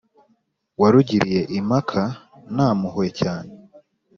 warugiriye impaka ntampuhwe cyane,